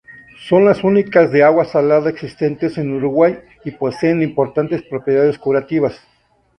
Son las únicas de agua salada existentes en Uruguay y poseen importantes propiedades curativas.